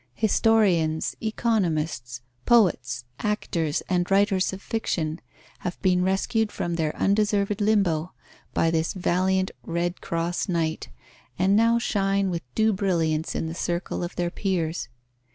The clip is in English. Historians, economists, poets, actors, and writers of fiction have been rescued from their undeserved limbo by this valiant Red Cross knight, and now shine with due brilliance in the circle of their peers.